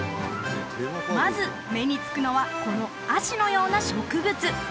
まず目につくのはこのアシのような植物